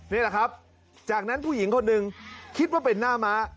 นี่แหละครับจากนั้นผู้หญิงคนหนึ่งคิดว่าเป็นหน้าม้า